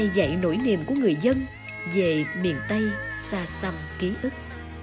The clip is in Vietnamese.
về miền tây xa xăm ký ức